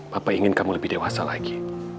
bapak ingin kamu lebih dewasa lagi